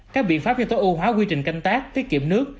các biện pháp như tối ưu hóa quy trình canh tác tiết kiệm nước